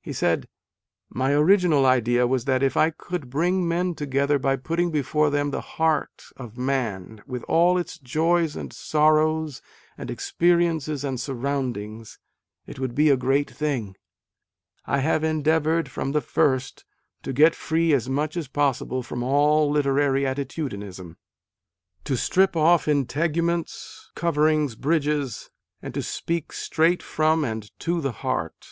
He said, "My original idea was that if I could bring men together by putting before them the heart of man with all its joys and sorrows and experiences and surroundings, it would be a great thing I have endeavoured from the first to get free as much as possible from all literary attitudinism to strip off integuments, coverings, bridges and to speak straight from and to the heart